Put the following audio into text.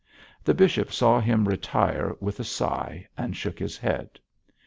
The bishop saw him retire with a sigh and shook his head.